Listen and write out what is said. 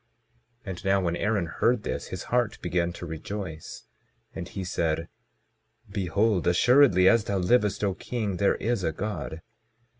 22:8 And now when Aaron heard this, his heart began to rejoice, and he said: Behold, assuredly as thou livest, O king, there is a God.